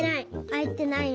あいてない。